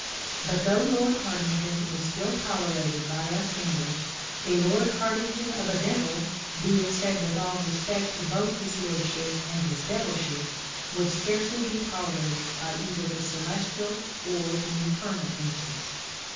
But though Lord Hartington is still tolerated by us English, a Lord Hartington of a Devil, be it said with all respect to both his lordship and his Devil ship, would scarcely be tolerated by either the celestial or the infernal benches.